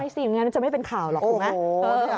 ไม่สิงานนั้นจะไม่เป็นข่าวหรอกคุณแหละ